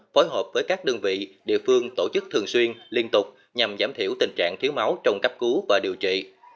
phối hợp với các đơn vị địa phương tổ chức thường xuyên liên tục nhằm giảm thiểu tình trạng thiếu máu trong cấp cứu và điều trị